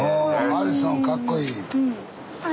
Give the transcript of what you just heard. ハリソンかっこいい。